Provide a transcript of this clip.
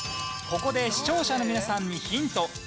ここで視聴者の皆さんにヒント。